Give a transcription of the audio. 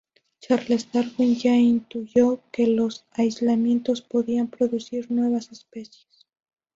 Charles Darwin ya intuyó que los aislamientos podían producir nuevas especies.